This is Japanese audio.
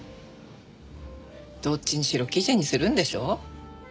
どっちにしろ記事にするんでしょ？